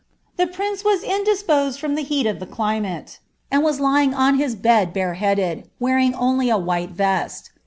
The prince was indisposed from the heat of the climate, y^ing on his bed bareheaded, wearing only a white vest.